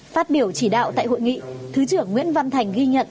phát biểu chỉ đạo tại hội nghị thứ trưởng nguyễn văn thành ghi nhận